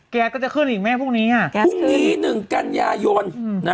แก๊สก็จะขึ้นอีกไหมพรุ่งนี้แก๊สขึ้นพรุ่งนี้หนึ่งกันยายน